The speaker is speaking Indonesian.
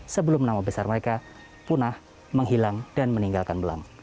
sebelum nama besar mereka punah menghilang dan meninggalkan belang